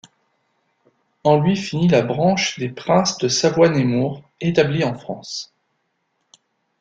En lui finit la branche des princes de Savoie-Nemours, établie en France.